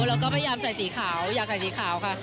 แล้วก็พยายามใส่สีขาวอยากใส่สีขาวค่ะ